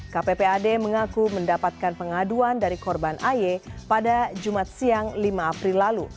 kppad mengaku mendapatkan pengaduan dari korban aye pada jumat siang lima april lalu